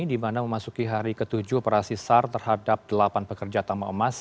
di mana memasuki hari ke tujuh operasi sar terhadap delapan pekerja tambang emas